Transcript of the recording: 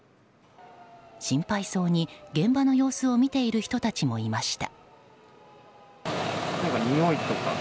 心配そうに現場の様子を見ている人たちもいました。